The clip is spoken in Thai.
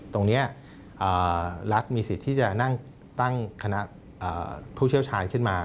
ตรงนี้รัฐมีสิทธิ์ที่จะนั่งตั้งคณะผู้เชี่ยวชาญขึ้นมา